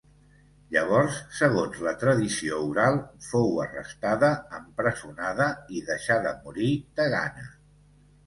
Llavors segons la tradició oral, fou arrestada, empresonada i deixada morir de gana.